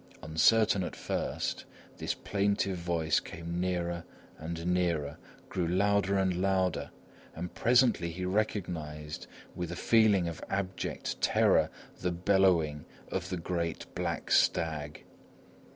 Uncertain at first, this plaintive voice came nearer and nearer, grew louder and louder and presently he recognised, with a feeling of abject terror, the bellowing of the great black stag.